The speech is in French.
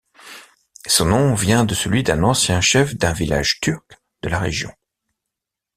Son nom vient de celui d'un ancien chef d'un village turc de la région.